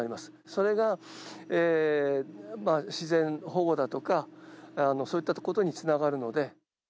それが自然保護だとか、そういったことにつながるので。